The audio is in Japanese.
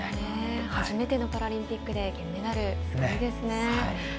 初めてのパラリンピックで銀メダルすごいですね。